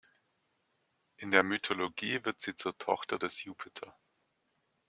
In der Mythologie wird sie zur Tochter des Jupiter.